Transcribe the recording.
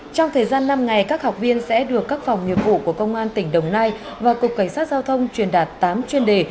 trong thời gian năm ngày các học viên sẽ được các phòng nghiệp vụ của công an tỉnh đồng nai và cục cảnh sát giao thông truyền đạt tám chuyên đề